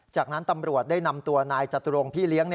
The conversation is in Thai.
จากนั้นตำรวจได้นำตัวนายจตุรงพี่เลี้ยง